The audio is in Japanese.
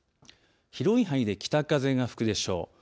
広い範囲で北風が吹くでしょう。